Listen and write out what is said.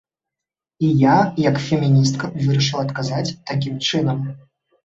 І я, як феміністка, вырашыла адказаць такім чынам.